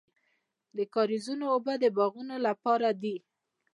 د کاریزونو اوبه د باغونو لپاره دي.